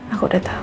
aku udah tau